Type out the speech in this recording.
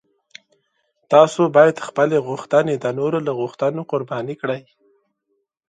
تاسو باید خپلې غوښتنې د نورو له غوښتنو قرباني کړئ.